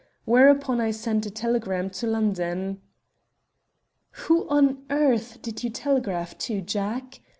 Whereupon I sent a telegram to London." "Who on earth did you telegraph to, Jack?"